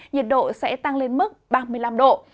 nhiệt độ sẽ tăng lên mức ba mươi năm độ